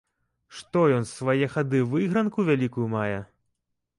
Што ён з свае хады выйгранку вялікую мае?